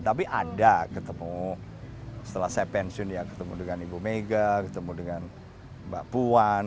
tapi ada ketemu setelah saya pensiun ya ketemu dengan ibu mega ketemu dengan mbak puan